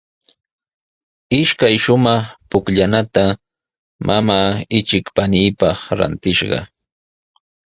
Ishkay shumaq pukllanata mamaa ichik paniipaq rantishqa.